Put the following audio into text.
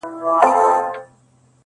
که دیدن کړې ګودر ته راسه!.